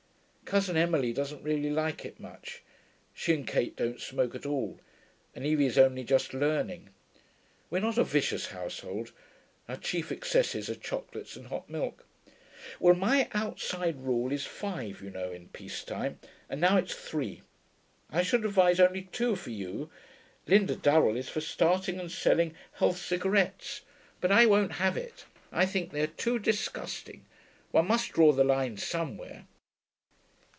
Cousin Emily doesn't really like it much. She and Kate don't smoke at all, and Evie's only just learning. We're not a vicious household; our chief excesses are chocolates and hot milk.' 'Well, my outside rule is five, you know, in peace time, and now it's three. I should advise only two for you. Linda Durell is for starting and selling Health Cigarettes, but I won't have it, I think they are too disgusting. One must draw the line somewhere....